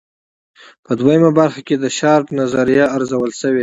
په دویمه برخه کې د شارپ نظریه ارزول شوې.